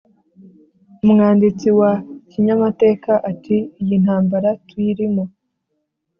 umwanditsi wa kinyamateka ati: “iyi ntambara tuyirimo